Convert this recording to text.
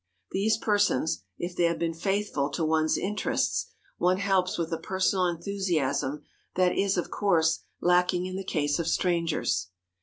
These persons, if they have been faithful to one's interests, one helps with a personal enthusiasm that is, of course, lacking in the case of strangers.